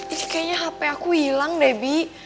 ini kayaknya handphone aku hilang deh bi